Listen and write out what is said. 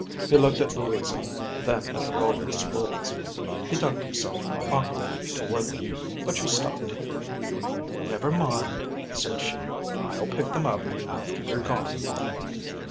He looked at Louisa, then at the rolling spools; he ducked himself awkwardly toward them, but she stopped him. " Never mind," said she I'll pick them up after you're gone."